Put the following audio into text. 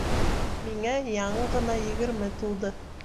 Миңә яңы ғына егерме тулды.